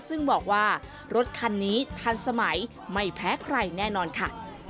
ซึ่งบอกว่ารถคันนี้ทันสมัยไม่แพ้ใครแน่นอนค่ะ